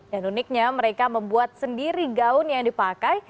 dan uniknya mereka membuat sendiri gaun yang dipakai